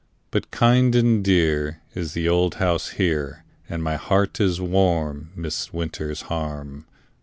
But kind and dear Is the old house here And my heart is warm Midst winter's harm.